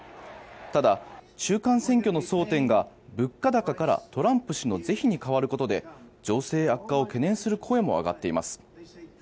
ただ、中間選挙の争点が物価高からトランプ氏の是非に変わることで情勢悪化を懸念する声も上がっています。